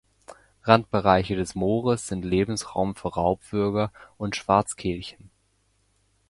Randbereiche des Moores sind Lebensraum für Raubwürger und Schwarzkehlchen.